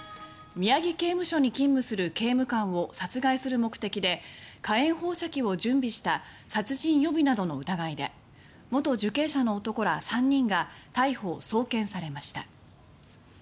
宮城刑務所に勤務する刑務官を殺害する目的で火炎放射器を準備した殺人予備などの疑いで元受刑者の男ら３人が逮捕・送検されました。